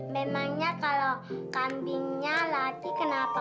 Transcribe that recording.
memangnya kalau kambingnya latih kenapa